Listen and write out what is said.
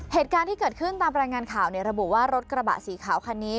เหตุการณ์ที่เกิดขึ้นตามรายงานข่าวระบุว่ารถกระบะสีขาวคันนี้